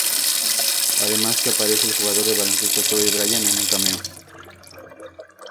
Además que aparece el jugador de baloncesto Kobe Bryant en un cameo.